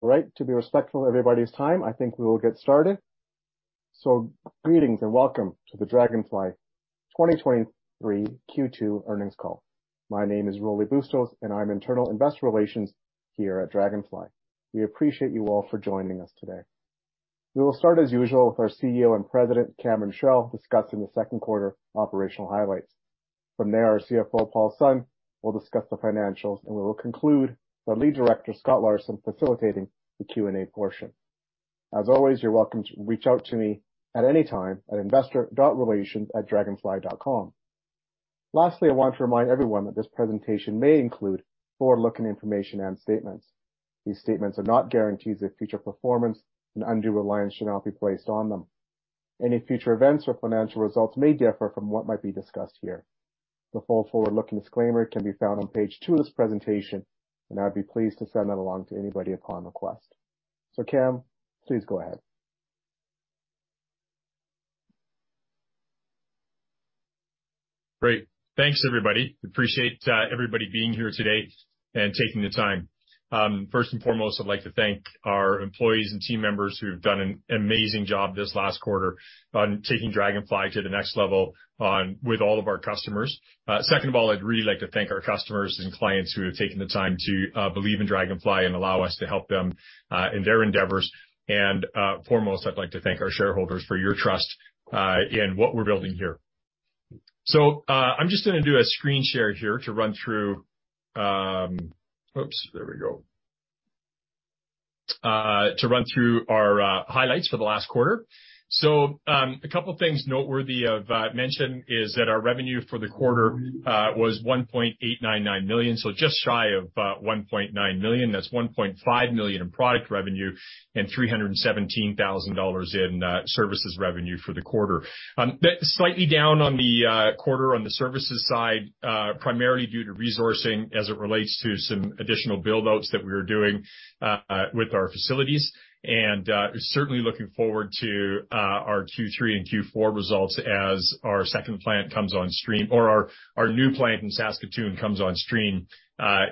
To be respectful of everybody's time, I think we will get started. Greetings and welcome to the Draganfly 2023 Q2 earnings call. My name is Rolly Bustos, I'm Internal Investor Relations here at Draganfly. We appreciate you all for joining us today. We will start, as usual, with our CEO and President, Cameron Chell, discussing the second quarter operational highlights. From there, our CFO, Paul Sun, will discuss the financials, and we will conclude with Lead Director, Scott Larson, facilitating the Q&A portion. As always, you're welcome to reach out to me at any time at investor.relations@draganfly.com. Lastly, I want to remind everyone that this presentation may include forward-looking information and statements. These statements are not guarantees of future performance, and undue reliance should not be placed on them. Any future events or financial results may differ from what might be discussed here. The full forward-looking disclaimer can be found on page two of this presentation, and I'd be pleased to send that along to anybody upon request. Cam, please go ahead. Great. Thanks, everybody. Appreciate everybody being here today and taking the time. First and foremost, I'd like to thank our employees and team members who have done an amazing job this last quarter taking Draganfly to the next level with all of our customers. Second of all, I'd really like to thank our customers and clients who have taken the time to believe in Draganfly and allow us to help them in their endeavors. Foremost, I'd like to thank our shareholders for your trust in what we're building here. I'm just gonna do a screen share here to run through... Oops, there we go. To run through our highlights for the last quarter. A couple things noteworthy of mention is that our revenue for the quarter was $1.899 million, so just shy of $1.9 million. That's $1.5 million in product revenue and $317,000 in services revenue for the quarter. That's slightly down on the quarter on the services side, primarily due to resourcing as it relates to some additional build-outs that we were doing with our facilities. Certainly looking forward to our Q3 and Q4 results as our second plant comes on stream, or our, our new plant in Saskatoon comes on stream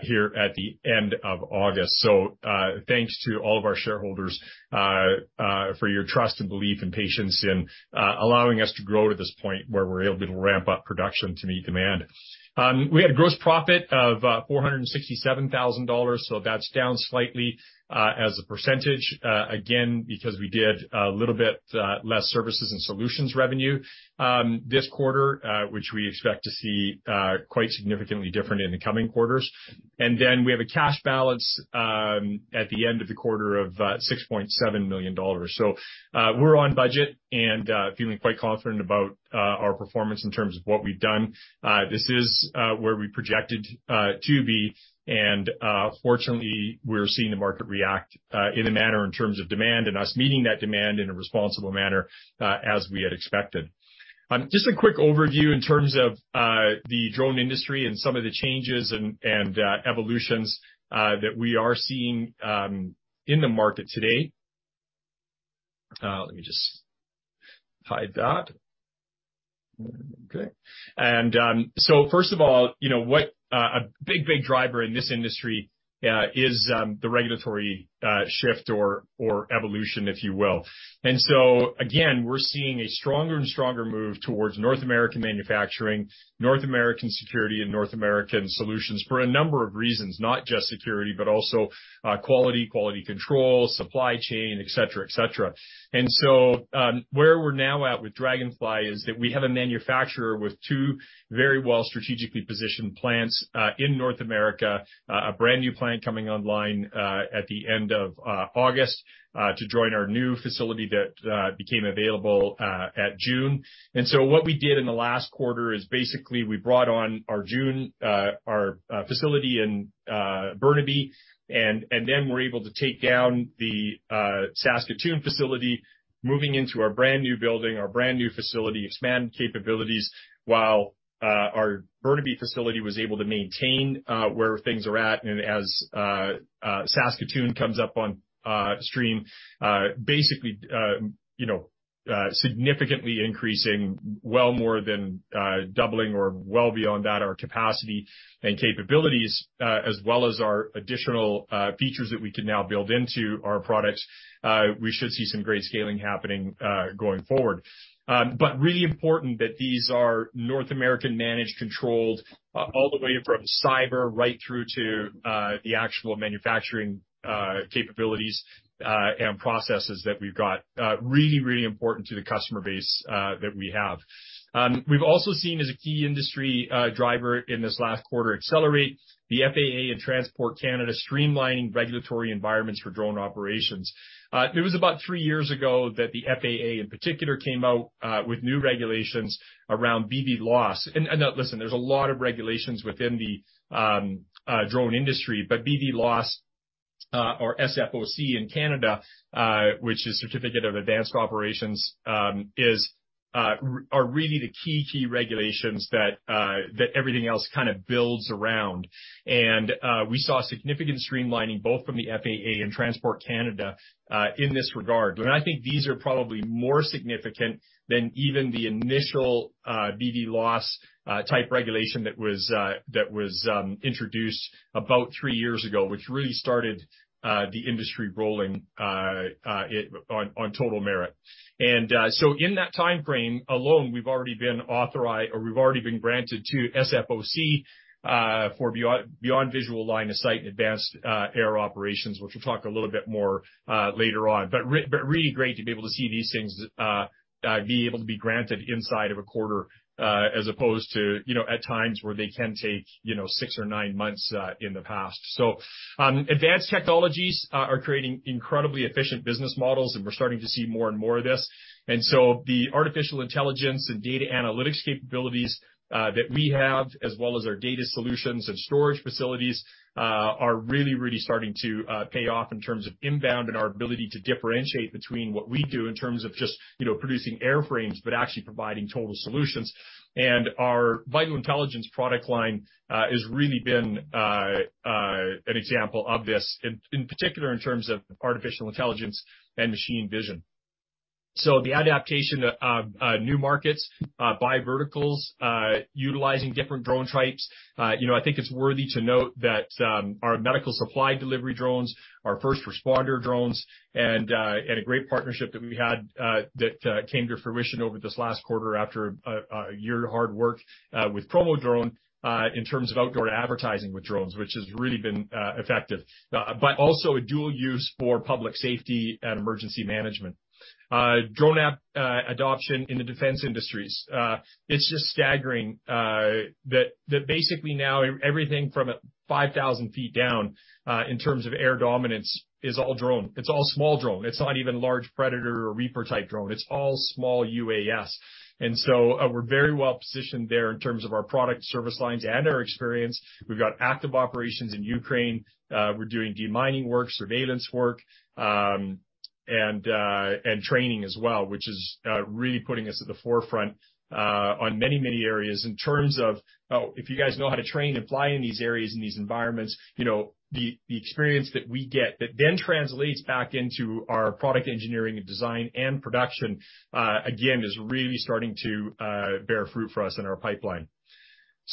here at the end of August. Thanks to all of our shareholders for your trust and belief and patience in allowing us to grow to this point where we're able to ramp up production to meet demand. We had a gross profit of $467,000, so that's down slightly as a %, again, because we did a little bit less services and solutions revenue this quarter, which we expect to see quite significantly different in the coming quarters. We have a cash balance at the end of the quarter of $6.7 million. We're on budget and feeling quite confident about our performance in terms of what we've done. This is where we projected to be, and fortunately, we're seeing the market react in a manner in terms of demand, and us meeting that demand in a responsible manner, as we had expected. Just a quick overview in terms of the drone industry and some of the changes and, and evolutions that we are seeing in the market today. Let me just hide that. Okay. First of all, you know, what, a big, big driver in this industry is the regulatory shift or evolution, if you will. Again, we're seeing a stronger and stronger move towards North American manufacturing, North American security, and North American solutions for a number of reasons, not just security, but also quality, quality control, supply chain, et cetera, et cetera. Where we're now at with Draganfly is that we have a manufacturer with two very well strategically positioned plants in North America. A brand-new plant coming online at the end of August to join our new facility that became available at June. What we did in the last quarter is basically we brought on our June, our facility in Burnaby, and then we're able to take down the Saskatoon facility, moving into our brand-new building, our brand-new facility, expanded capabilities, while our Burnaby facility was able to maintain where things are at. As Saskatoon comes up on stream, basically, you know, significantly increasing well more than doubling or well beyond that, our capacity and capabilities, as well as our additional features that we can now build into our products, we should see some great scaling happening going forward. Really important that these are North American managed, controlled, all the way from cyber right through to the actual manufacturing capabilities and processes that we've got. Really, really important to the customer base that we have. We've also seen as a key industry driver in this last quarter accelerate, the FAA and Transport Canada streamlining regulatory environments for drone operations. It was about three years ago that the FAA, in particular, came out with new regulations around BVLOS. Listen, there's a lot of regulations within the drone industry, but BVLOS or SFOC in Canada, which is Certificate of Advanced Operations, are really the key, key regulations that everything else kind of builds around. We saw significant streamlining, both from the FAA and Transport Canada in this regard. I think these are probably more significant than even the initial BVLOS type regulation that was that was introduced about three years ago, which really started the industry rolling it on total merit. So in that timeframe alone, we've already been authorized, or we've already been granted two SFOC for beyond visual line of sight and advanced air operations, which we'll talk a little bit more later on. Really great to be able to see these things be able to be granted inside of a quarter as opposed to, you know, at times where they can take, you know, six or nine months in the past. Advanced technologies are creating incredibly efficient business models, and we're starting to see more and more of this. The artificial intelligence and data analytics capabilities that we have, as well as our data solutions and storage facilities are really, really starting to pay off in terms of inbound and our ability to differentiate between what we do in terms of just, you know, producing airframes, but actually providing total solutions. Our Vital Intelligence product line has really been an example of this, in particular in terms of artificial intelligence and machine vision. The adaptation of new markets by verticals, utilizing different drone types. You know, I think it's worthy to note that our medical supply delivery drones, our first responder drones, and a great partnership that we had that came to fruition over this last quarter after a year of hard work with PromoDrone in terms of outdoor advertising with drones, which has really been effective. Also a dual use for public safety and emergency management. Drone adoption in the defense industries. It's just staggering that basically now everything from 5,000 feet down in terms of air dominance is all drone. It's all small drone. It's not even large Predator or Reaper-type drone. It's all small UAS. We're very well positioned there in terms of our product service lines and our experience. We've got active operations in Ukraine. We're doing demining work, surveillance work, and training as well, which is really putting us at the forefront on many, many areas in terms of, if you guys know how to train and fly in these areas, in these environments, you know, the experience that we get that then translates back into our product engineering and design and production, again, is really starting to bear fruit for us in our pipeline.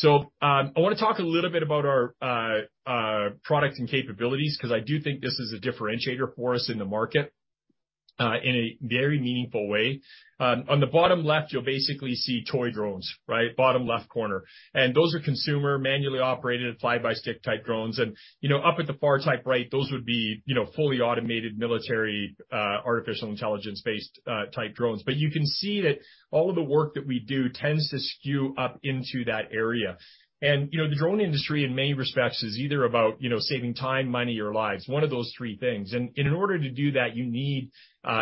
I wanna talk a little bit about our products and capabilities, 'cause I do think this is a differentiator for us in the market in a very meaningful way. On the bottom left, you'll basically see toy drones, right? Bottom left corner. Those are consumer, manually operated, fly-by-stick-type drones. You know, up at the far top right, those would be, you know, fully automated military, artificial intelligence-based, type drones. You can see that all of the work that we do tends to skew up into that area. You know, the drone industry, in many respects, is either about, you know, saving time, money, or lives, one of those three things. And in order to do that, you need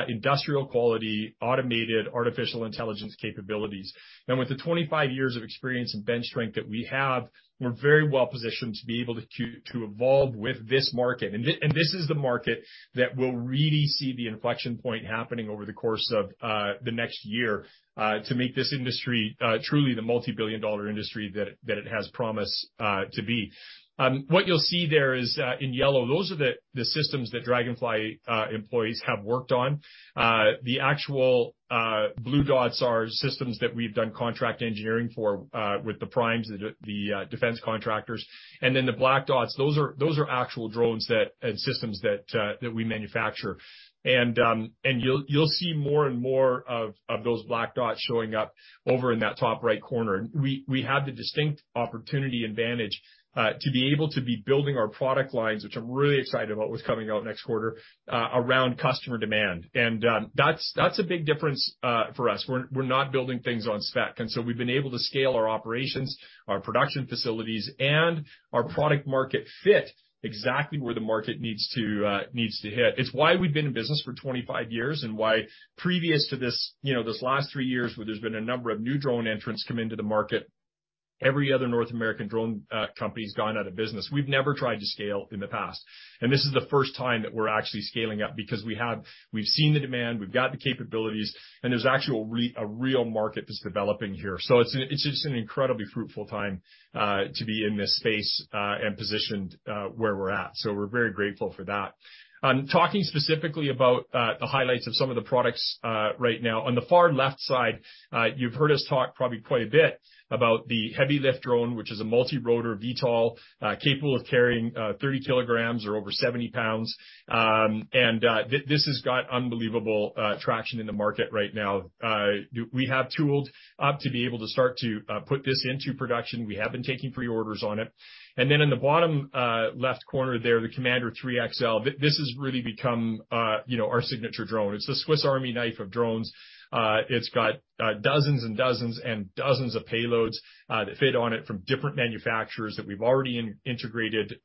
industrial quality, automated, artificial intelligence capabilities. With the 25 years of experience and bench strength that we have, we're very well positioned to be able to, to, to evolve with this market. This is the market that will really see the inflection point happening over the course of the next year to make this industry truly the multi-billion dollar industry that, that it has promised to be. What you'll see there is in yellow, those are the, the systems that Draganfly employees have worked on. The actual blue dots are systems that we've done contract engineering for with the primes, the defense contractors. Then the black dots, those are, those are actual drones that, and systems that we manufacture. You'll, you'll see more and more of, of those black dots showing up over in that top right corner. We, we have the distinct opportunity and advantage to be able to be building our product lines, which I'm really excited about what's coming out next quarter, around customer demand, and that's, that's a big difference for us. We're, we're not building things on spec, and so we've been able to scale our operations, our production facilities, and our product market fit exactly where the market needs to needs to hit. It's why we've been in business for 25 years, and why previous to this, you know, this last 3 years, where there's been a number of new drone entrants come into the market, every other North American drone company's gone out of business. We've never tried to scale in the past, and this is the first time that we're actually scaling up because we have... We've seen the demand, we've got the capabilities, and there's actually a real market that's developing here. It's, it's just an incredibly fruitful time to be in this space and positioned where we're at, so we're very grateful for that. Talking specifically about the highlights of some of the products right now, on the far left side, you've heard us talk probably quite a bit about the heavy-lift drone, which is a multirotor VTOL, capable of carrying 30 kg or over 70 lbs. Th-this has got unbelievable traction in the market right now. We have tooled up to be able to start to put this into production. We have been taking pre-orders on it. Then in the bottom, left corner there, the Commander 3 XL, this has really become, you know, our signature drone. It's the Swiss Army knife of drones. It's got dozens and dozens and dozens of payloads that fit on it from different manufacturers that we've already integrated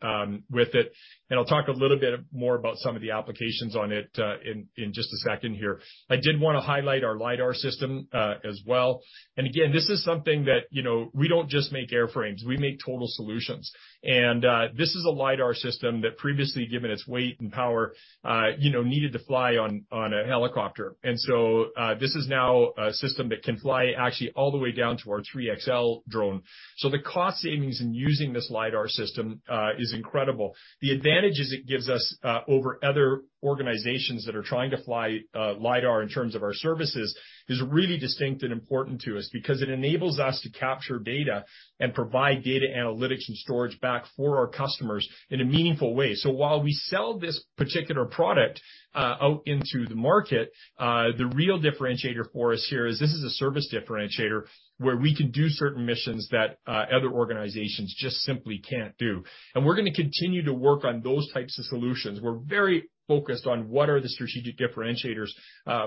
with it. I'll talk a little bit more about some of the applications on it in, in just a second here. I did wanna highlight our LiDAR system as well. Again, this is something that, you know, we don't just make airframes, we make total solutions. This is a LiDAR system that previously, given its weight and power, you know, needed to fly on, on a helicopter. So, this is now a system that can fly actually all the way down to our 3 XL drone. The cost savings in using this LiDAR system is incredible. The advantages it gives us over other organizations that are trying to fly LiDAR in terms of our services, is really distinct and important to us because it enables us to capture data and provide data analytics and storage back for our customers in a meaningful way. While we sell this particular product out into the market, the real differentiator for us here is this is a service differentiator, where we can do certain missions that other organizations just simply can't do. We're gonna continue to work on those types of solutions. We're very focused on what are the strategic differentiators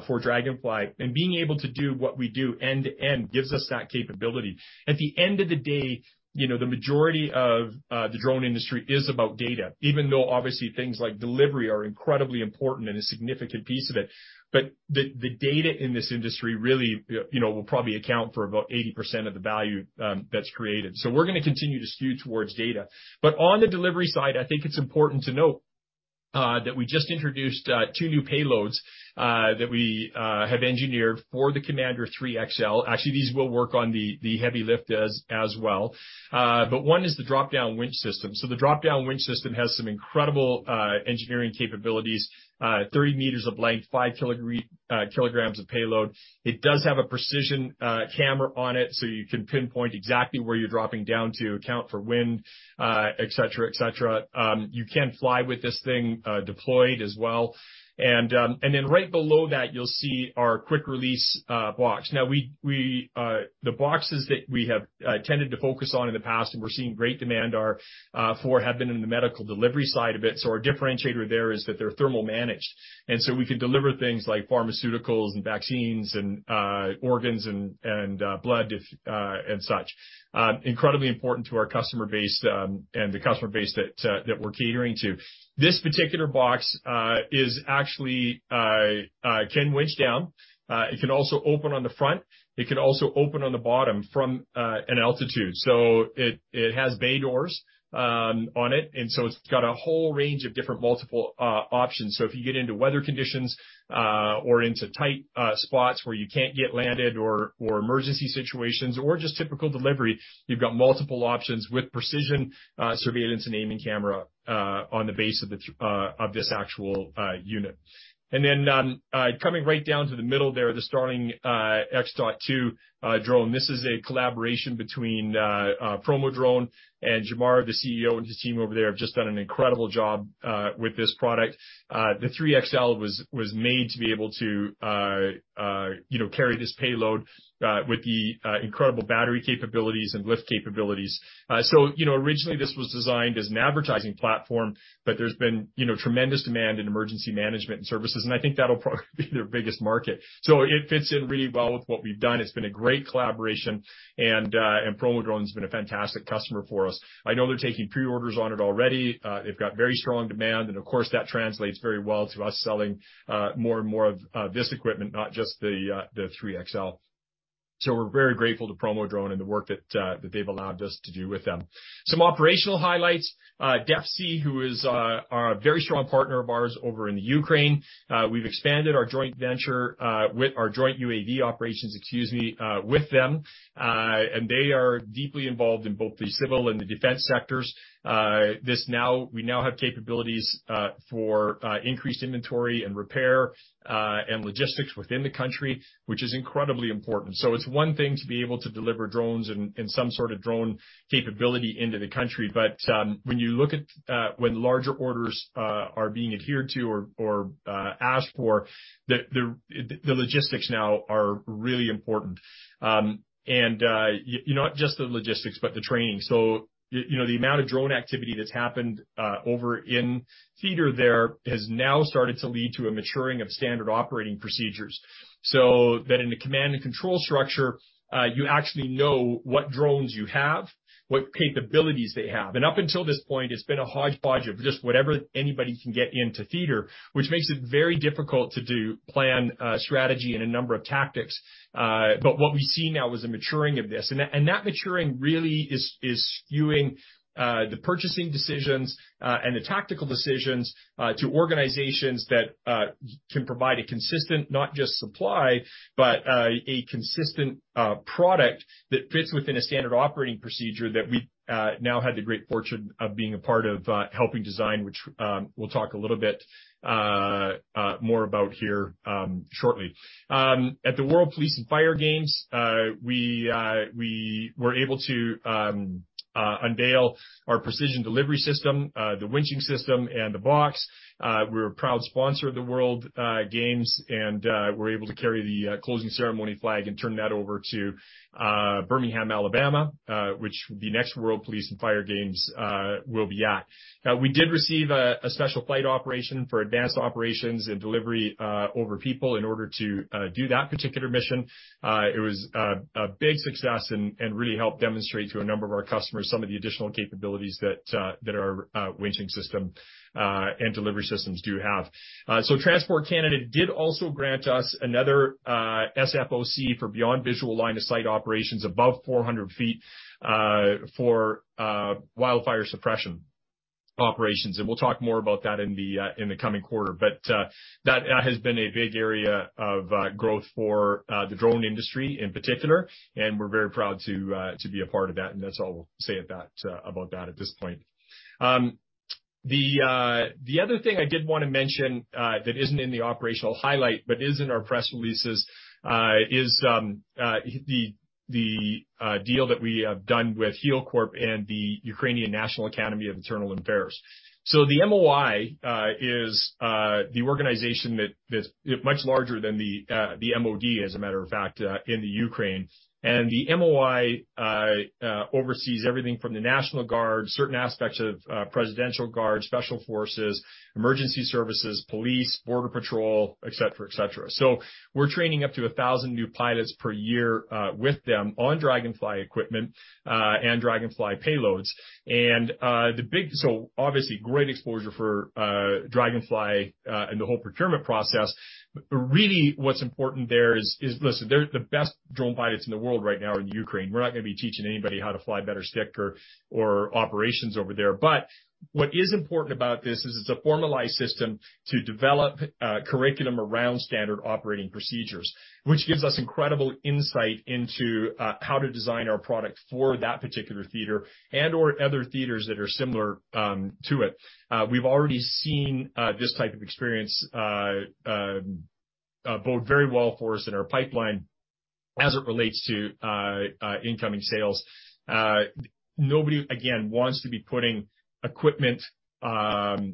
for Draganfly. Being able to do what we do end-to-end gives us that capability. At the end of the day, you know, the majority of the drone industry is about data, even though obviously things like delivery are incredibly important and a significant piece of it. The, the data in this industry really, you know, will probably account for about 80% of the value that's created. We're gonna continue to skew towards data. On the delivery side, I think it's important to note that we just introduced two new payloads that we have engineered for the Commander 3 XL. Actually, these will work on the, the heavy lift as, as well. One is the drop-down winch system. The drop-down winch system has some incredible engineering capabilities, 30 m of length, 5 kg of payload. It does have a precision camera on it, so you can pinpoint exactly where you're dropping down to, account for wind, et cetera, et cetera. You can fly with this thing deployed as well. Then right below that, you'll see our quick-release box. The boxes that we have tended to focus on in the past, and we're seeing great demand are for have been in the medical delivery side of it. Our differentiator there is that they're thermal managed, and so we can deliver things like pharmaceuticals and vaccines and organs and blood, if and such. Incredibly important to our customer base, and the customer base that we're catering to. This particular box is actually can winch down. It can also open on the front. It can also open on the bottom from an altitude. It has bay doors on it, and so it's got a whole range of different multiple options. If you get into weather conditions, or into tight spots where you can't get landed or, or emergency situations or just typical delivery, you've got multiple options with precision, surveillance and aiming camera, on the base of this actual unit. Coming right down to the middle there, the Starling X.2 drone. This is a collaboration between PromoDrone, and Jamar, the CEO, and his team over there have just done an incredible job with this product. The 3 XL was, was made to be able to, you know, carry this payload, with the incredible battery capabilities and lift capabilities. You know, originally this was designed as an advertising platform, but there's been, you know, tremendous demand in emergency management and services, and I think that'll probably be their biggest market. It fits in really well with what we've done. It's been a great collaboration, and, and PromoDrone has been a fantastic customer for us. I know they're taking pre-orders on it already. They've got very strong demand, and of course, that translates very well to us selling, more and more of this equipment, not just the 3 XL. We're very grateful to PromoDrone and the work that they've allowed us to do with them. Some operational highlights, DEF-C, who is a very strong partner of ours over in Ukraine. We've expanded our joint venture with our joint UAV operations, excuse me, with them. They are deeply involved in both the civil and the defense sectors. We now have capabilities for increased inventory and repair and logistics within the country, which is incredibly important. It's one thing to be able to deliver drones and, and some sort of drone capability into the country, but when you look at when larger orders are being adhered to or, or asked for, the, the, the logistics now are really important. You know, not just the logistics, but the training. You know, the amount of drone activity that's happened over in theater there, has now started to lead to a maturing of standard operating procedures. Then in the command and control structure, you actually know what drones you have, what capabilities they have. Up until this point, it's been a hodgepodge of just whatever anybody can get into theater, which makes it very difficult to do plan, strategy and a number of tactics. What we see now is a maturing of this, and that, and that maturing really is, is skewing the purchasing decisions and the tactical decisions to organizations that can provide a consistent, not just supply, but a consistent product that fits within a standard operating procedure that we now had the great fortune of being a part of, helping design, which we'll talk a little bit more about here shortly. At the World Police and Fire Games, we were able to unveil our precision delivery system, the winching system and the box. We're a proud sponsor of the World Police and Fire Games, and we're able to carry the closing ceremony flag and turn that over to Birmingham, Alabama, which the next World Police and Fire Games will be at. We did receive a special flight operation for advanced operations and delivery over people in order to do that particular mission. It was a big success and really helped demonstrate to a number of our customers some of the additional capabilities that our winching system and delivery systems do have. So Transport Canada did also grant us another SFOC for beyond visual line of sight operations above 400 ft for wildfire suppression operations. We'll talk more about that in the coming quarter. That has been a big area of growth for the drone industry in particular, and we're very proud to be a part of that, and that's all we'll say at that about that at this point. The other thing I did wanna mention that isn't in the operational highlight, but is in our press releases, is the deal that we have done with HEAL-Corp and the Ukrainian National Academy of Internal Affairs. The MOI is the organization that is much larger than the MOD, as a matter of fact, in the Ukraine. The MOI oversees everything from the National Guard, certain aspects of presidential guard, special forces, emergency services, police, border patrol, et cetera, et cetera. We're training up to 1,000 new pilots per year with them on Draganfly equipment and Draganfly payloads. The big- so obviously, great exposure for Draganfly and the whole procurement process. But really, what's important there is, listen, they're the best drone pilots in the world right now are in Ukraine. We're not gonna be teaching anybody how to fly better stick or operations over there. But what is important about this is, it's a formalized system to develop curriculum around standard operating procedures, which gives us incredible insight into how to design our product for that particular theater and/or other theaters that are similar to it. We've already seen this type of experience bode very well for us in our pipeline as it relates to incoming sales. Nobody, again, wants to be putting equipment on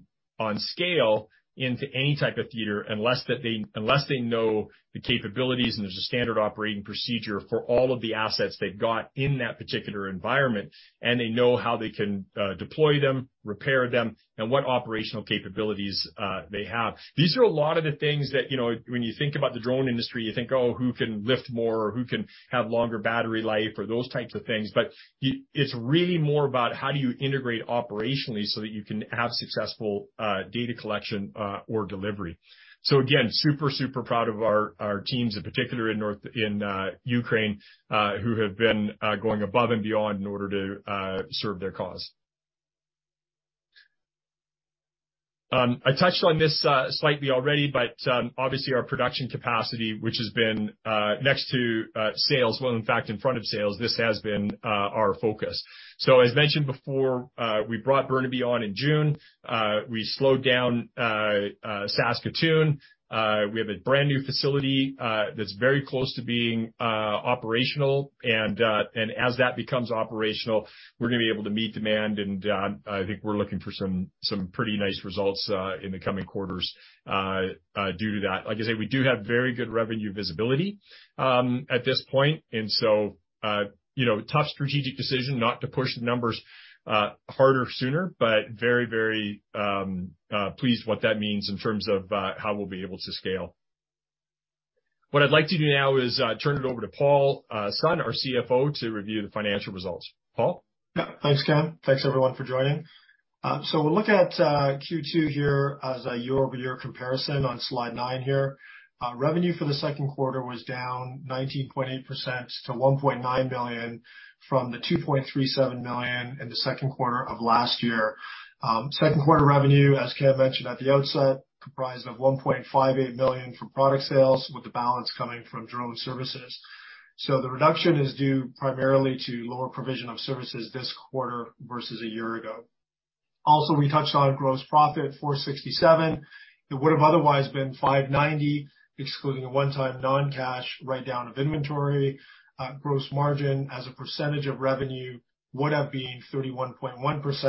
scale into any type of theater unless they know the capabilities, and there's a standard operating procedure for all of the assets they've got in that particular environment, and they know how they can deploy them, repair them, and what operational capabilities they have. These are a lot of the things that, you know, when you think about the drone industry, you think, "Oh, who can lift more? Who can have longer battery life?" Or those types of things. It's really more about how do you integrate operationally so that you can have successful data collection or delivery. Again, super, super proud of our, our teams, in particular in Ukraine, who have been going above and beyond in order to serve their cause. I touched on this slightly already, but, obviously, our production capacity, which has been next to sales... well, in fact, in front of sales, this has been our focus. As mentioned before, we brought Burnaby on in June. We slowed down Saskatoon. We have a brand-new facility that's very close to being operational. As that becomes operational, we're gonna be able to meet demand, and I think we're looking for some, some pretty nice results in the coming quarters due to that. Like I said, we do have very good revenue visibility, at this point, and so, you know, tough strategic decision not to push the numbers, harder sooner, but very, very, pleased what that means in terms of, how we'll be able to scale. What I'd like to do now is, turn it over to Paul Sun, our CFO, to review the financial results. Paul? Yeah. Thanks, Cam. Thanks, everyone, for joining. We'll look at Q2 here as a year-over-year comparison on slide nine here. Revenue for the second quarter was down 19.8% to $1.9 million, from the $2.37 million in the second quarter of last year. Second quarter revenue, as Cam mentioned at the outset, comprised of $1.58 million from product sales, with the balance coming from drone services. The reduction is due primarily to lower provision of services this quarter versus a year ago. Also, we touched on gross profit, $467,000. It would've otherwise been $590,000, excluding a one-time non-cash write-down of inventory. Gross margin, as a percentage of revenue, would have been 31.1%,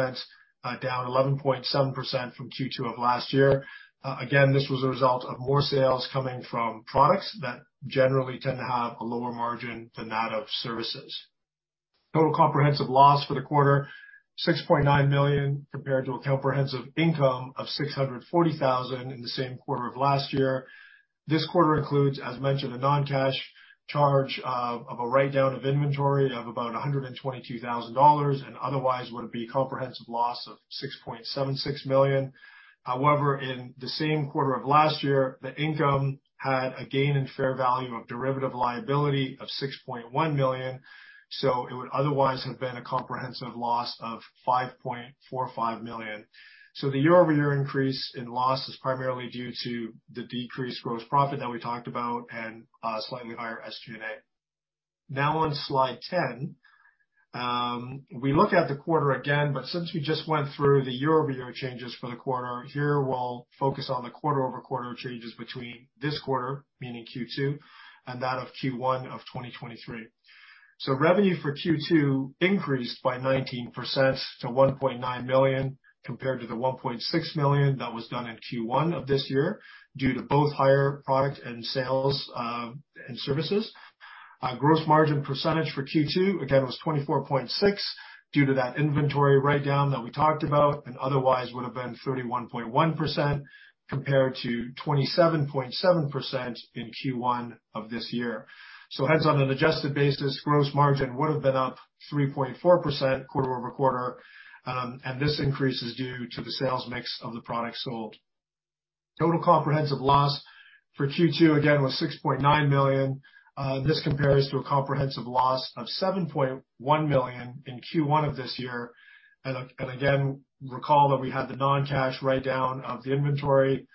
down 11.7% from Q2 of last year. Again, this was a result of more sales coming from products that generally tend to have a lower margin than that of services. Total comprehensive loss for the quarter, $6.9 million, compared to a comprehensive income of $640,000 in the same quarter of last year. This quarter includes, as mentioned, a non-cash charge of a write-down of inventory of about $122,000, and otherwise would be comprehensive loss of $6.76 million. However, in the same quarter of last year, the income had a gain in fair value of derivative liability of $6.1 million, so it would otherwise have been a comprehensive loss of $5.45 million. The year-over-year increase in loss is primarily due to the decreased gross profit that we talked about and slightly higher SG&A. On slide 10, we look at the quarter again, but since we just went through the year-over-year changes for the quarter, here, we'll focus on the quarter-over-quarter changes between this quarter, meaning Q2, and that of Q1 of 2023. Revenue for Q2 increased by 19% to $1.9 million, compared to the $1.6 million that was done in Q1 of this year, due to both higher product and sales and services. Our gross margin percentage for Q2, again, was 24.6%, due to that inventory write-down that we talked about, and otherwise would have been 31.1% compared to 27.7% in Q1 of this year. Heads on an adjusted basis, gross margin would have been up 3.4% quarter-over-quarter, and this increase is due to the sales mix of the products sold. Total comprehensive loss for Q2, again, was $6.9 million. This compares to a comprehensive loss of $7.1 million in Q1 of this year. Again, recall that we had the non-cash write-down of the inventory.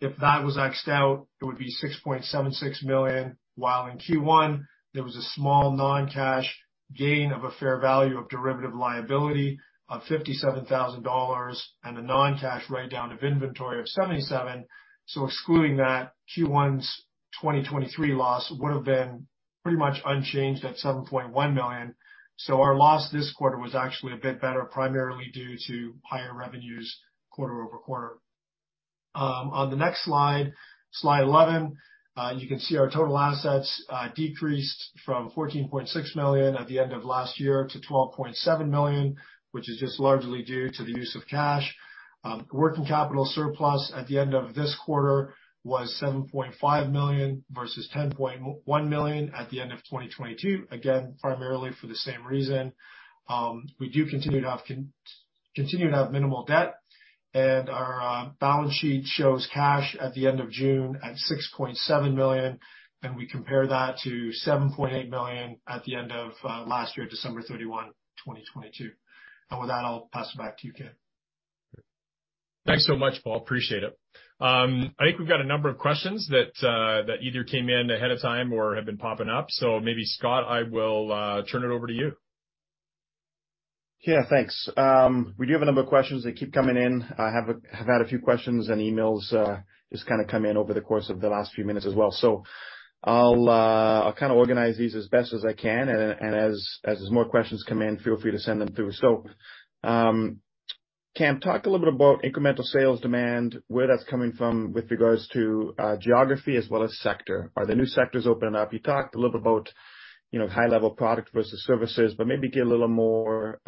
If that was X'd out, it would be $6.76 million, while in Q1, there was a small non-cash gain of a fair value of derivative liability of $57,000 and a non-cash write-down of inventory of $77,000. Excluding that, Q1's 2023 loss would have been pretty much unchanged at $7.1 million. Our loss this quarter was actually a bit better, primarily due to higher revenues quarter-over-quarter. On the next slide, slide 11, you can see our total assets decreased from $14.6 million at the end of last year to $12.7 million, which is just largely due to the use of cash. Working capital surplus at the end of this quarter was $7.5 million versus $10.1 million at the end of 2022, again, primarily for the same reason. We do continue to have minimal debt, and our balance sheet shows cash at the end of June at $6.7 million, and we compare that to $7.8 million at the end of last year, December 31, 2022. With that, I'll pass it back to you, Cam. Thanks so much, Paul. Appreciate it. I think we've got a number of questions that, that either came in ahead of time or have been popping up. Maybe, Scott, I will, turn it over to you. Yeah, thanks. We do have a number of questions that keep coming in. I have had a few questions and emails, just kind of come in over the course of the last few minutes as well. I'll, I'll kind of organize these as best as I can, and as more questions come in, feel free to send them through. Cam, talk a little bit about incremental sales demand, where that's coming from with regards to geography as well as sector? Are there new sectors opening up? You talked a little about, you know, high-level product versus services, but maybe get a little more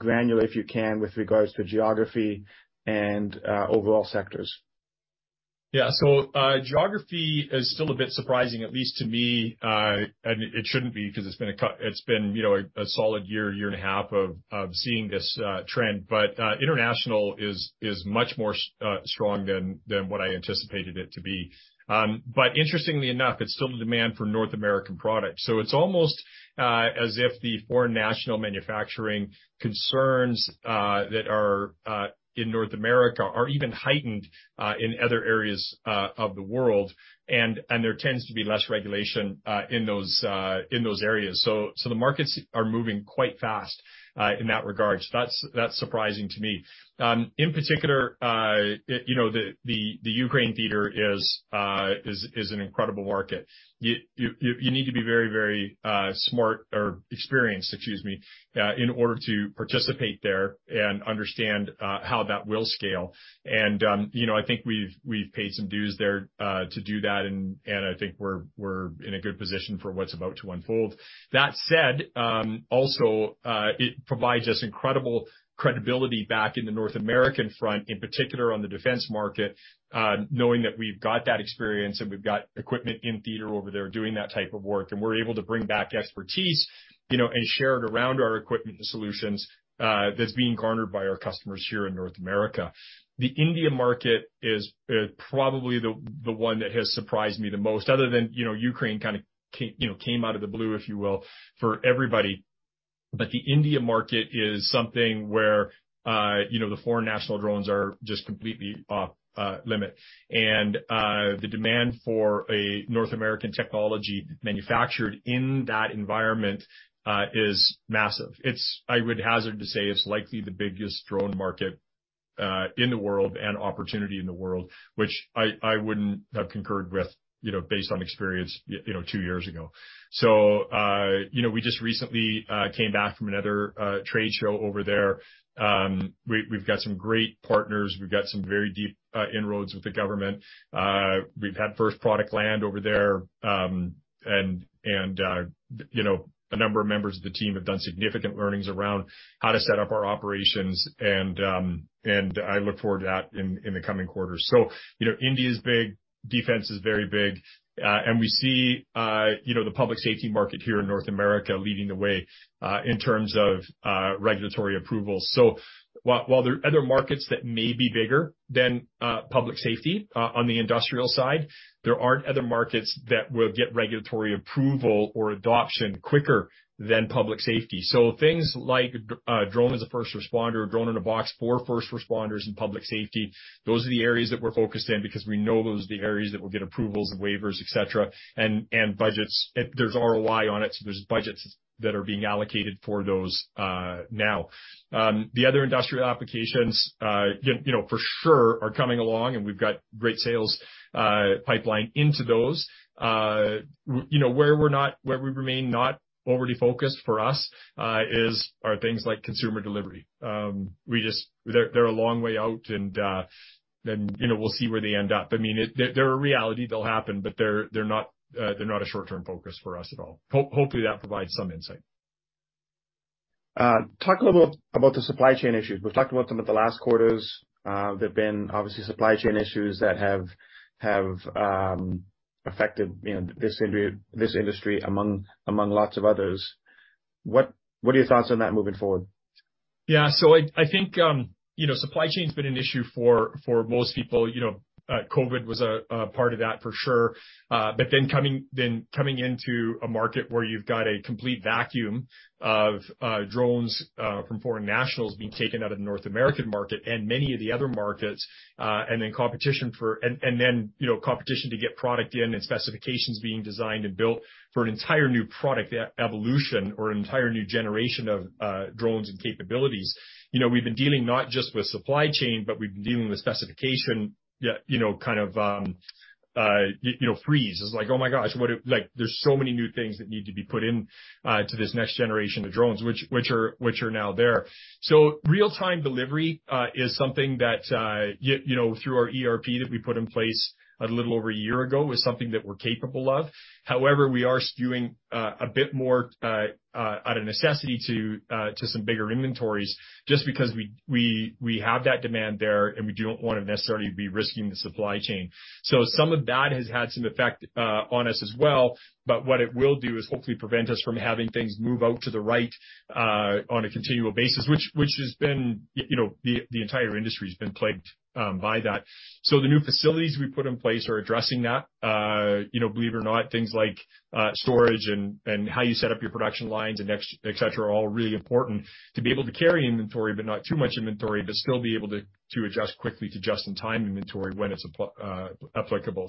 granular, if you can, with regards to geography and overall sectors. Yeah. Geography is still a bit surprising, at least to me. And it shouldn't be because it's been, you know, a, a solid year, year and a half of, of seeing this trend. International is, is much more strong than, than what I anticipated it to be. Interestingly enough, it's still the demand for North American products. It's almost as if the foreign national manufacturing concerns that are in North America are even heightened in other areas of the world, and there tends to be less regulation in those in those areas. So the markets are moving quite fast in that regard. That's, that's surprising to me. In particular, you know, the Ukraine theater is, is an incredible market. You, you, you need to be very, very smart or experienced, excuse me, in order to participate there and understand how that will scale. You know, I think we've, we've paid some dues there to do that, and I think we're in a good position for what's about to unfold. That said, also, it provides us incredible credibility back in the North American front, in particular on the defense market, knowing that we've got that experience and we've got equipment in theater over there doing that type of work, and we're able to bring back expertise, you know, and share it around our equipment and solutions that's being garnered by our customers here in North America. The India market is, probably the, the one that has surprised me the most, other than, you know, Ukraine kind of, you know, came out of the blue, if you will, for everybody. The India market is something where, you know, the foreign national drones are just completely off limit. The demand for a North American technology manufactured in that environment, is massive. It's I would hazard to say it's likely the biggest drone market in the world and opportunity in the world, which I, I wouldn't have concurred with, you know, based on experience, you know, two years ago. We just recently, you know, came back from another trade show over there. We, we've got some great partners, we've got some very deep inroads with the government. We've had first product land over there, and, you know, a number of members of the team have done significant learnings around how to set up our operations, and I look forward to that in the coming quarters. You know, India's big, defense is very big, and we see, you know, the public safety market here in North America leading the way in terms of regulatory approvals. While there are other markets that may be bigger than public safety on the industrial side, there aren't other markets that will get regulatory approval or adoption quicker than public safety. Things like, Drone as a First Responder, drone in a box for first responders and public safety, those are the areas that we're focused in because we know those are the areas that will get approvals and waivers, et cetera, and, and budgets. There's ROI on it, so there's budgets that are being allocated for those now. The other industrial applications, you, you know, for sure are coming along, and we've got great sales pipeline into those. You know, where we're not-- where we remain not overly focused for us, is, are things like consumer delivery. We just... They're, they're a long way out, and, and, you know, we'll see where they end up. I mean, they're, they're a reality. They'll happen, but they're, they're not, they're not a short-term focus for us at all. Hopefully, that provides some insight.... Talk a little about, about the supply chain issues. We've talked about them at the last quarters. There've been obviously supply chain issues that have, have, affected, you know, this industry among, among lots of others. What, what are your thoughts on that moving forward? Yeah. I, I think, you know, supply chain's been an issue for, for most people. You know, COVID was a part of that for sure. Coming, then coming into a market where you've got a complete vacuum of drones from foreign nationals being taken out of the North American market and many of the other markets, then competition for-- You know, competition to get product in and specifications being designed and built for an entire new product evolution or an entire new generation of drones and capabilities. You know, we've been dealing not just with supply chain, but we've been dealing with specification, yeah, you know, kind of, freeze. It's like, oh, my gosh, what it... Like, there's so many new things that need to be put in to this next generation of drones, which, which are, which are now there. Real-time delivery is something that, you know, through our ERP that we put in place a little over a year ago, is something that we're capable of. However, we are skewing a bit more out of necessity to some bigger inventories just because we, we, we have that demand there, and we don't wanna necessarily be risking the supply chain. Some of that has had some effect on us as well, but what it will do is hopefully prevent us from having things move out to the right on a continual basis, which, which has been, you know, the, the entire industry's been plagued by that. The new facilities we put in place are addressing that. You know, believe it or not, things like storage and how you set up your production lines and et cetera, are all really important to be able to carry inventory, but not too much inventory, but still be able to adjust quickly to just-in-time inventory when it's applicable.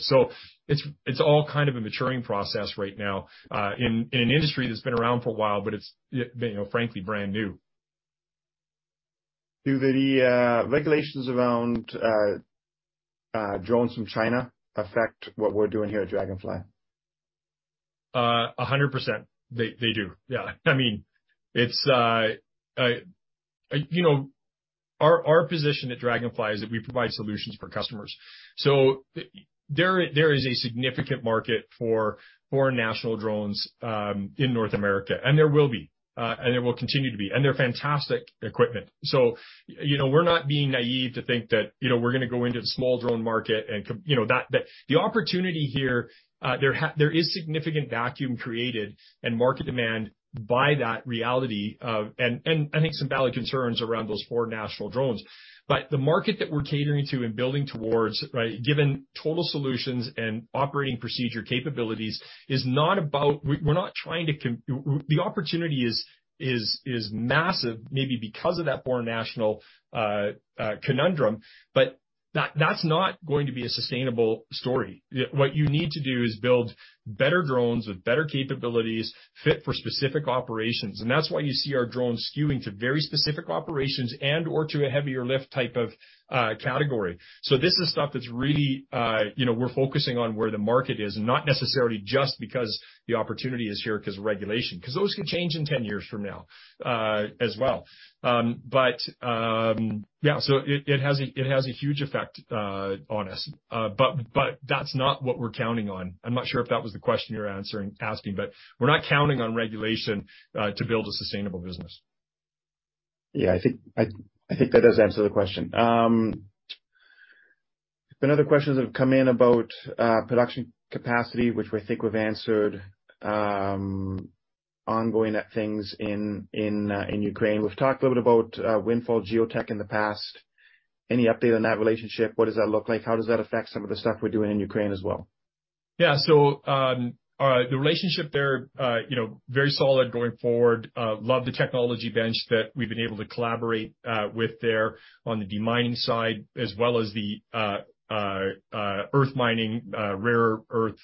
It's all kind of a maturing process right now, in an industry that's been around for a while, but it's, you know, frankly, brand new. Do the regulations around drones from China affect what we're doing here at Draganfly? 100%, they, they do. Yeah. I mean, it's, you know... Our, our position at Draganfly is that we provide solutions for customers. There is a significant market for foreign national drones in North America, and there will be, and there will continue to be, and they're fantastic equipment. You know, we're not being naive to think that, you know, we're gonna go into the small drone market, and you know, that, that... The opportunity here, there is significant vacuum created and market demand by that reality of, and, and I think some valid concerns around those foreign national drones. The market that we're catering to and building towards, right, given total solutions and operating procedure capabilities, is not about... We, we're not trying to the opportunity is, is, is massive, maybe because of that foreign national conundrum, but that's not going to be a sustainable story. What you need to do is build better drones with better capabilities, fit for specific operations. That's why you see our drones skewing to very specific operations and/or to a heavier lift type of category. This is stuff that's really, you know, we're focusing on where the market is, and not necessarily just because the opportunity is here 'cause of regulation, 'cause those could change in 10 years from now, as well. Yeah, so it, it has a, it has a huge effect on us. That's not what we're counting on. I'm not sure if that was the question you're answering, asking, but we're not counting on regulation, to build a sustainable business. Yeah, I think I, I think that does answer the question. Been other questions that have come in about production capacity, which I think we've answered. Ongoing things in in Ukraine. We've talked a little bit about Windfall Geotek in the past. Any update on that relationship? What does that look like? How does that affect some of the stuff we're doing in Ukraine as well? Yeah. The relationship there, you know, very solid going forward. Love the technology bench that we've been able to collaborate with there on the demining side, as well as the earth mining, rare earth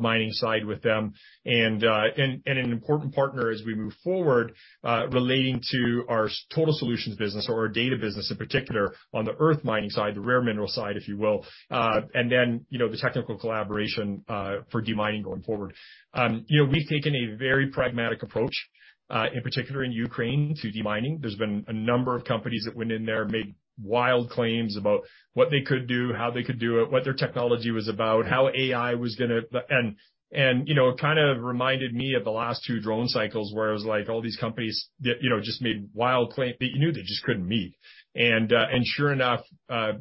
mining side with them. An important partner as we move forward, relating to our total solutions business or our data business, in particular on the earth mining side, the rare mineral side, if you will. Then, you know, the technical collaboration for demining going forward. You know, we've taken a very pragmatic approach in particular in Ukraine, to demining. There's been a number of companies that went in there, made wild claims about what they could do, how they could do it, what their technology was about, how AI was gonna... You know, it kind of reminded me of the last 2 drone cycles, where it was like, all these companies that, you know, just made wild claims that you knew they just couldn't meet. Sure enough, to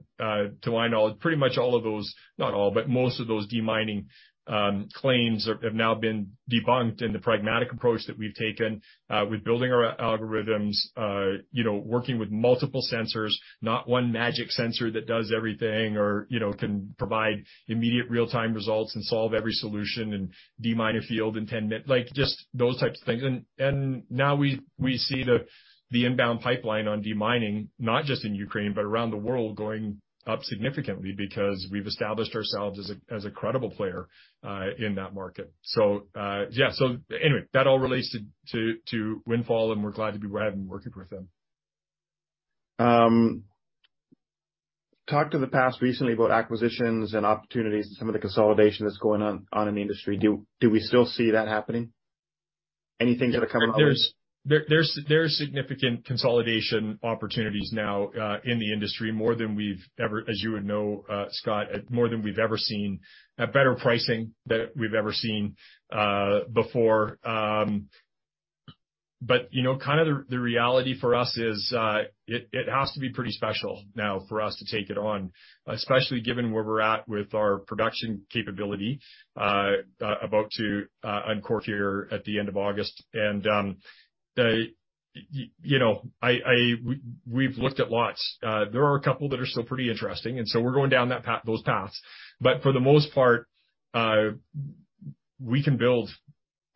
my knowledge, pretty much all of those, not all, but most of those demining claims have now been debunked in the pragmatic approach that we've taken with building our algorithms. You know, working with multiple sensors, not one magic sensor that does everything or, you know, can provide immediate real-time results and solve every solution and demine a field in 10 min- like, just those types of things. Now we, we see the, the inbound pipeline on demining, not just in Ukraine, but around the world, going up significantly because we've established ourselves as a, as a credible player in that market. Yeah. Anyway, that all relates to, to, to Windfall, and we're glad to be working with them. Talked in the past recently about acquisitions and opportunities and some of the consolidation that's going on in the industry. Do we still see that happening? Anything that are coming out with- There's, there, there's, there's significant consolidation opportunities now, in the industry, more than we've ever, as you would know, Scott, more than we've ever seen, at better pricing than we've ever seen, before. You know, kind of the, the reality for us is, it, it has to be pretty special now for us to take it on, especially given where we're at with our production capability, about to uncork here at the end of August. You know, we, we've looked at lots. There are a couple that are still pretty interesting, and so we're going down that path, those paths. For the most part, we can build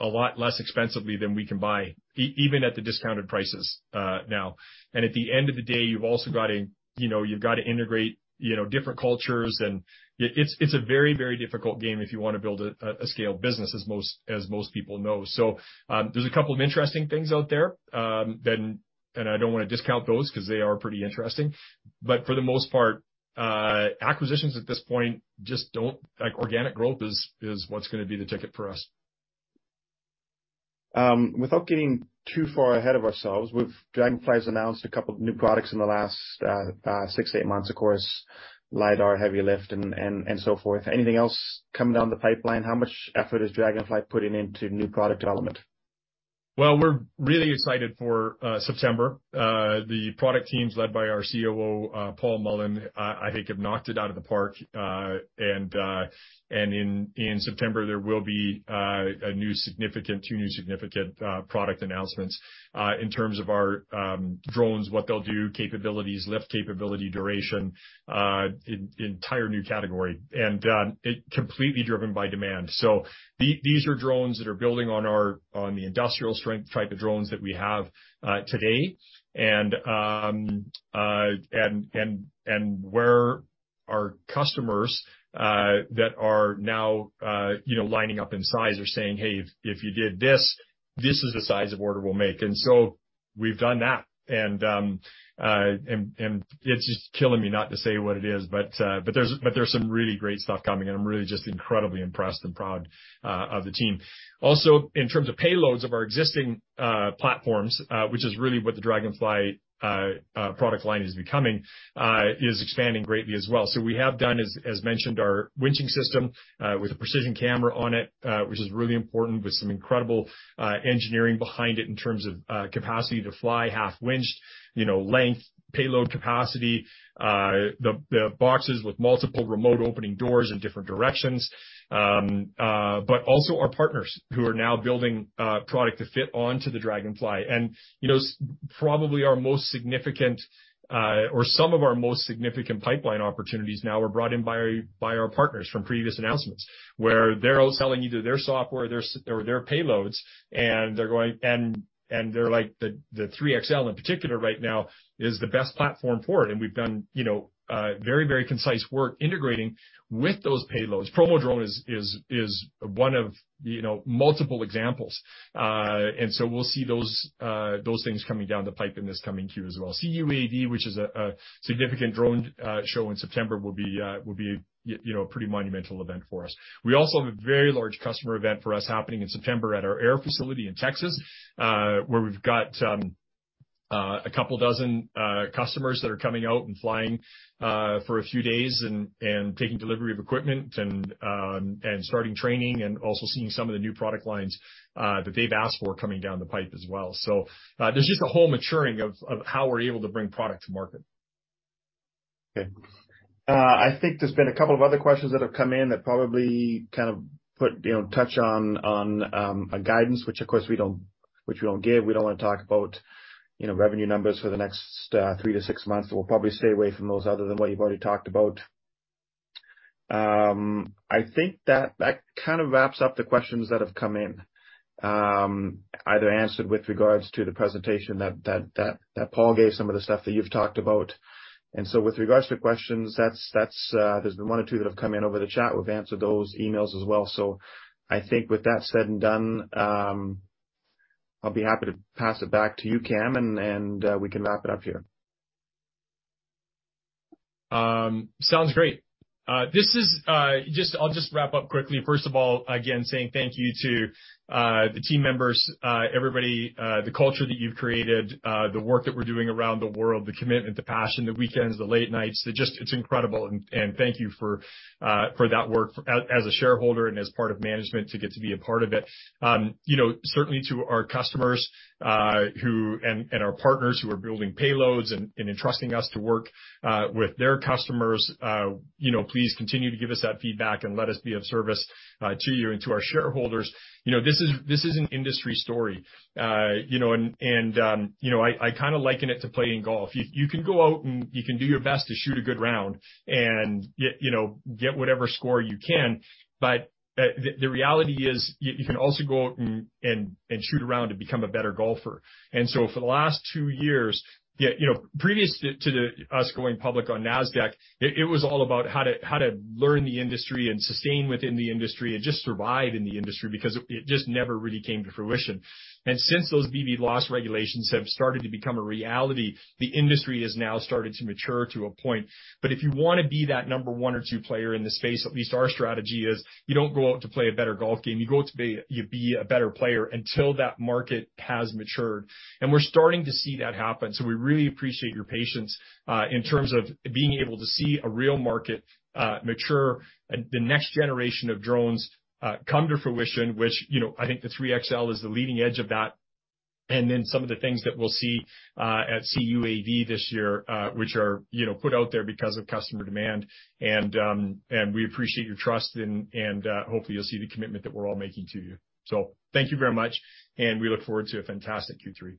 a lot less expensively than we can buy even at the discounted prices, now. At the end of the day, you've also got to, you know, you've got to integrate, you know, different cultures, and it, it's, it's a very, very difficult game if you want to build a, a scale business, as most, as most people know. There's a couple of interesting things out there, then, and I don't want to discount those because they are pretty interesting. For the most part, acquisitions at this point just don't. Like, organic growth is what's going to be the ticket for us. Without getting too far ahead of ourselves, Draganfly's announced a couple of new products in the last six to eight months, of course, LiDAR, heavy lift, and so forth. Anything else coming down the pipeline? How much effort is Draganfly putting into new product development? Well, we're really excited for September. The product teams, led by our COO, Paul Mullen, I think have knocked it out of the park, and in September, there will be a new significant-- two new significant product announcements. In terms of our drones, what they'll do, capabilities, lift capability, duration, an entire new category, and it completely driven by demand. These are drones that are building on the industrial strength type of drones that we have today. Where our customers, that are now, you know, lining up in size are saying, "Hey, if, if you did this, this is the size of order we'll make." So we've done that, and it's just killing me not to say what it is, but there's some really great stuff coming, and I'm really just incredibly impressed and proud of the team. Also, in terms of payloads of our existing platforms, which is really what the Draganfly product line is becoming, is expanding greatly as well. We have done as, as mentioned, our winching system, with a precision camera on it, which is really important, with some incredible engineering behind it in terms of capacity to fly, half winched, you know, length, payload capacity, the boxes with multiple remote opening doors in different directions. Also our partners, who are now building product to fit onto the Draganfly. You know, probably our most significant, or some of our most significant pipeline opportunities now are brought in by our, by our partners from previous announcements, where they're all selling either their software, their or their payloads, and they're going... They're like the 3 XL, in particular, right now, is the best platform for it. We've done, you know, very, very concise work integrating with those payloads. PromoDrone is, is, is one of, you know, multiple examples. We'll see those, those things coming down the pipe in this coming Q as well. CUAV, which is a significant drone show in September, will be, will be, you know, a pretty monumental event for us. We also have a very large customer event for us happening in September at our air facility in Texas, where we've got a couple dozen customers that are coming out and flying for a few days and taking delivery of equipment and starting training and also seeing some of the new product lines that they've asked for coming down the pipe as well. There's just a whole maturing of how we're able to bring product to market. Okay. I think there's been a couple of other questions that have come in that probably kind of put, you know, touch on, on a guidance, which, of course, we don't, which we don't give. We don't want to talk about, you know, revenue numbers for the next three to six months. We'll probably stay away from those other than what you've already talked about. I think that that kind of wraps up the questions that have come in, either answered with regards to the presentation that Paul gave, some of the stuff that you've talked about. With regards to questions, that's, that's, there's been one or two that have come in over the chat. We've answered those emails as well. I think with that said and done, I'll be happy to pass it back to you, Cam, and, and, we can wrap it up here. Sounds great. This is, I'll just wrap up quickly. First of all, again, saying thank you to the team members, everybody, the culture that you've created, the work that we're doing around the world, the commitment, the passion, the weekends, the late nights. It's just, it's incredible, and, and thank you for for that work as a shareholder and as part of management, to get to be a part of it. You know, certainly to our customers, who, and, and our partners who are building payloads and, and entrusting us to work with their customers, you know, please continue to give us that feedback, and let us be of service to you and to our shareholders. You know, this is, this is an industry story. You know, and, you know, I, I kind of liken it to playing golf. You, you can go out, and you can do your best to shoot a good round and you know, get whatever score you can, but the, the reality is, you, you can also go out and, and, and shoot around and become a better golfer. For the last 2 years, yeah, you know, previous to us going public on Nasdaq, it, it was all about how to, how to learn the industry and sustain within the industry and just survive in the industry because it, it just never really came to fruition. Since those BVLOS regulations have started to become a reality, the industry has now started to mature to a point. If you want to be that number one or two player in the space, at least our strategy is, you don't go out to play a better golf game. You go out to be, you be a better player until that market has matured, and we're starting to see that happen. We really appreciate your patience in terms of being able to see a real market mature and the next generation of drones come to fruition, which, you know, I think the 3 XL is the leading edge of that, and then some of the things that we'll see at CUAV this year, which are, you know, put out there because of customer demand. We appreciate your trust, and, and hopefully you'll see the commitment that we're all making to you. Thank you very much, and we look forward to a fantastic Q3.